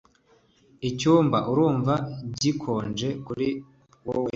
Icyumba urumva gikonje kuri wewe